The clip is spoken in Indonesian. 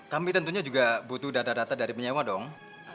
kami tentunya juga butuh data data dari menyewa dong